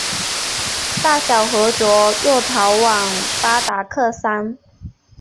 大小和卓又逃往巴达克山。